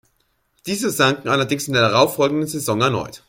Diese sanken allerdings in der darauffolgenden Saison erneut.